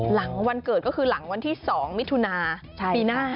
หลังวันเกิดก็คือหลังวันที่๒มิถุนาปีหน้า